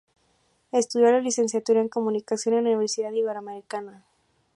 Estudió la Licenciatura en Comunicación en la Universidad Iberoamericana.